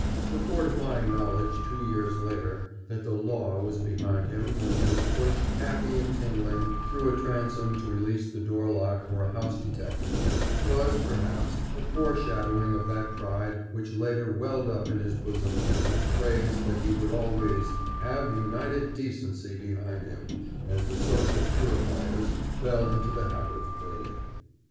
The fortifying knowledge, two years later, that the Law was behind him when he was pushed happy and tingling through a transom to release the door lock for a house detective, was perhaps a foreshadowing of that pride which later welled up in his bosom at the phrase that he would always "have United Decency behind him," as the social purifiers fell into the habit of putting it.